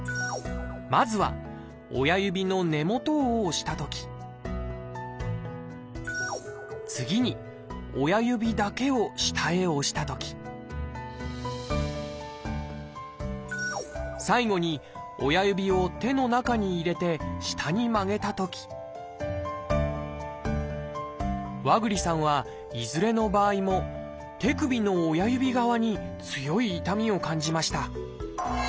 まずは親指の根元を押したとき次に親指だけを下へ押したとき最後に親指を手の中に入れて下に曲げたとき和栗さんはいずれの場合も手首の親指側に強い痛みを感じました。